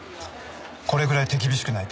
これぐらい手厳しくないと。